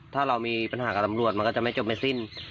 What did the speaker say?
ถ้าเรามีปัญหากับตำรวจมันก็จะไม่จบไม่สิ้น